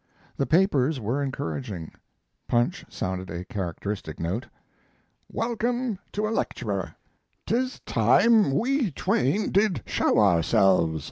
The papers were encouraging; Punch sounded a characteristic note: WELCOME TO A LECTURER "'Tis time we Twain did show ourselves."